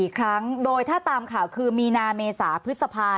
อีกครั้งโดยถ้าตามข่าวคือมีนาเมษาพฤษภา